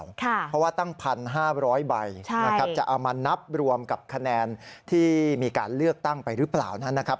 เพราะว่าตั้ง๑๕๐๐ใบนะครับจะเอามานับรวมกับคะแนนที่มีการเลือกตั้งไปหรือเปล่านั้นนะครับ